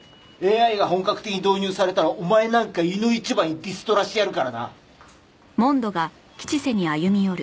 ＡＩが本格的に導入されたらお前なんかいの一番にリストラしてやるからな！